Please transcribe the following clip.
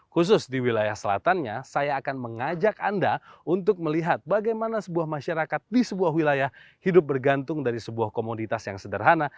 khusus di wilayah selatannya saya akan mengajak anda untuk melihat bagaimana sebuah masyarakat di sebuah wilayah hidup bergantung dari sebuah komoditas yang sederhana